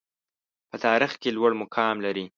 په تاریخ کې لوړ مقام لري.